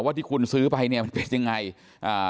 ที่คุณซื้อไปเนี่ยมันเป็นยังไงอ่า